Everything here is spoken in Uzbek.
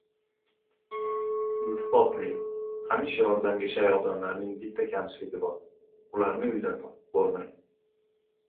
— Iltifotli, hamisha yordamga shay odamlarning bitta kamchiligi bor: ularni uyidan topib bo‘lmaydi.